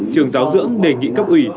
trường giáo dưỡng đề nghị cấp ủy